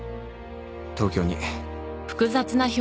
東京に。